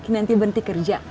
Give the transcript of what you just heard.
nanti berhenti kerja